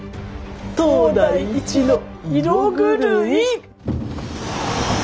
当代一の色狂い。